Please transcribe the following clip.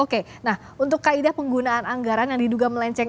oke nah untuk kaedah penggunaan anggaran yang diduga melenceng